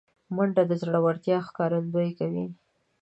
منډه د زړورتیا ښکارندویي کوي